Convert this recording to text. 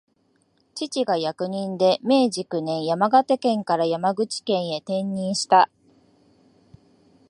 父が役人で、明治九年、山形県から山口県へ転任した